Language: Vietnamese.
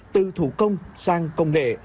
từ thủ công sang công nghệ